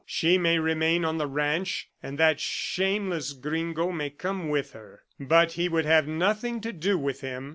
She may remain on the ranch, and that shameless gringo may come with her." But he would have nothing to do with him.